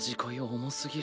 重すぎる。